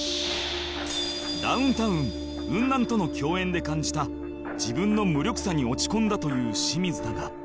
ダウンタウンウンナンとの共演で感じた自分の無力さに落ち込んだという清水だが